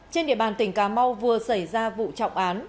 trên địa bàn tỉnh cà mau vừa xảy ra vụ trọng án